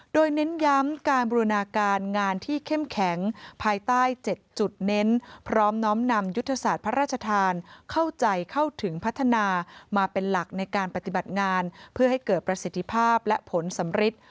โดยเน้นย้ำการบูรณาการงานที่เข้มแข็งภายใต้๗จุดเน้นพร้อมน้อมนำยุทธศาสตร์พระราชทานเข้าใจเข้าถึงพัฒนามาเป็นหลักในการปฏิบัติงานเพื่อให้เกิดประสิทธิภาพและผลสำริท